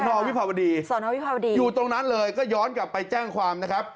สนวิภาวดีอยู่ตรงนั้นเลยก็ย้อนกลับไปแจ้งความนะครับ